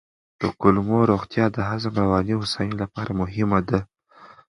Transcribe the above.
د کولمو روغتیا د هضم او رواني هوساینې لپاره مهمه ده.